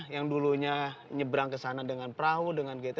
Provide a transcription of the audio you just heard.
yang dulunya nyebrang ke sana dengan perahu dengan gt